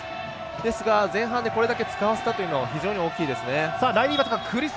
ですが、前半でこれだけ使わせたというのは非常に大きいです。